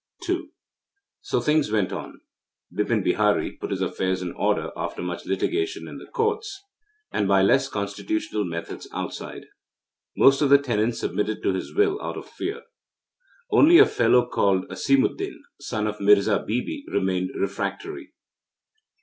II So things went on. Bipin Bihari put his affairs in order after much litigation in the Courts, and by less constitutional methods outside. Most of the tenants submitted to his will out of fear. Only a fellow called Asimuddin, son of Mirza Bibi, remained refractory.